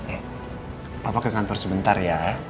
eh bapak ke kantor sebentar ya